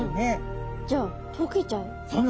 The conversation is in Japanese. じゃあ解けちゃう。